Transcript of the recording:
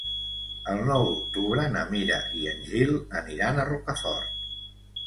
El nou d'octubre na Mira i en Gil aniran a Rocafort.